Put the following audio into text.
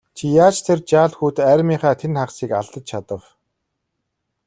Чи яаж тэр жаал хүүд армийнхаа тэн хагасыг алдаж чадав?